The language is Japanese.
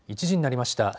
１時になりました。